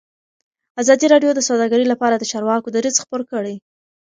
ازادي راډیو د سوداګري لپاره د چارواکو دریځ خپور کړی.